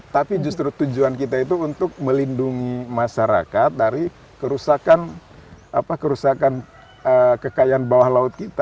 tapi justru tujuan kita itu untuk melindungi masyarakat dari kerusakan apa kerusakan kekayaan bawah masyarakat